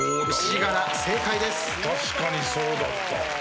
確かにそうだった。